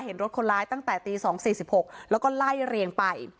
เห็นรถคนร้ายตั้งแต่ตี๒๔๖แล้วก็ไล่เรียงไป